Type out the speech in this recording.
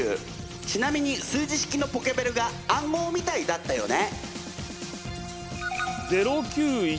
ちなみに数字式のポケベルが暗号みたいだったよね。